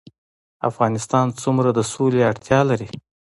افغانستان څومره د سولې اړتیا لري؟